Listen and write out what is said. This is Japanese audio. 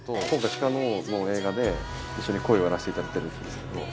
今回『鹿の王』の映画で一緒に声をやらせていただいてるんですけど。